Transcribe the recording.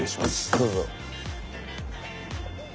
どうぞ。